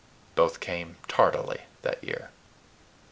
Both came tardily that year.